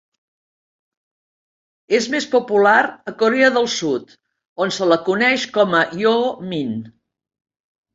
És més popular a Corea del Sud, on se la coneix com a Yoo Min.